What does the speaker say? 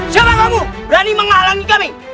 jangan kamu berani menghalangi kami